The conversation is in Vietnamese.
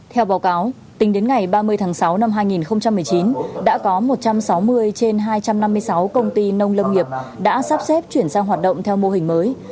theo báo cáo tính đến ngày ba mươi tháng sáu năm hai nghìn một mươi chín đã có một trăm sáu mươi trên hai trăm năm mươi sáu công ty nông lâm nghiệp đã sắp xếp chuyển sang hoạt động theo mô hình mới